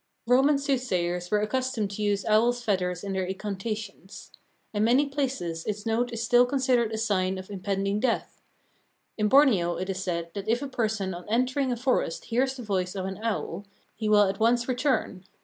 Roman soothsayers were accustomed to use owls' feathers in their incantations. In many places its note is still considered a sure sign of impending death. In Borneo, it is said, that if a person on entering a forest hears the voice of an owl, he will at once return.